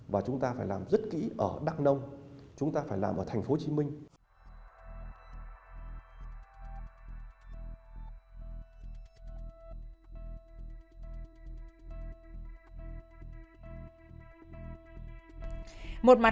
và chúng ta phải làm rất kỹ ở đắk nông chúng ta phải làm ở tp hcm